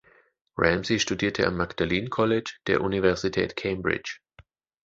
Ramsey studierte am Magdalene College der Universität Cambridge.